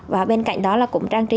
và bên cạnh đó là cũng trang trí